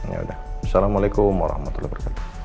yaudah assalamualaikum warahmatullahi wabarakatuh